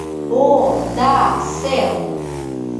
— О, да, сэр!